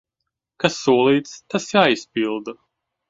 Kas solīts, tas jāizpilda.